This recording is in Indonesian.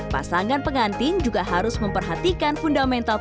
pasangan pengantin juga harus memperhatikan fundamental